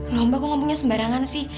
loh mbak kok ngomongnya sembarangan sih